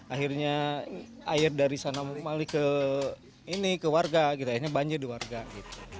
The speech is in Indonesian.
akhirnya air dari sana malik ke ini ke warga gitu akhirnya banjir di warga gitu